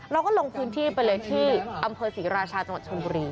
เราก็ลงพื้นที่ไปเลยที่อำเภอศรีราชาจังหวัดชนบุรี